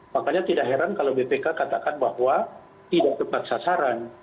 makanya tidak heran kalau bpk katakan bahwa tidak tepat sasaran